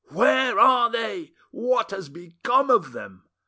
Where are they? What has become of them?